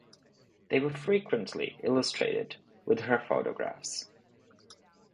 They were frequently illustrated with her photographs.